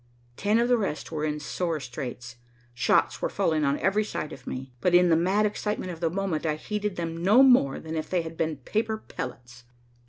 Ten of the rest were in sore straits. Shots were falling on every side of me, but, in the mad excitement of the moment, I heeded them no more than if they had been paper pellets.